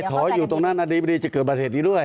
ไอ้ถอยอยู่ตรงนั้นน่ะดีไม่ดีจะเกิดบัตรเหตุอีกด้วย